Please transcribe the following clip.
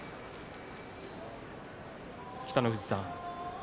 北の富士さん